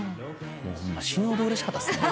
ホンマ死ぬほどうれしかったですね。